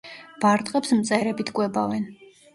ბარტყებს მწერებით კვებავენ.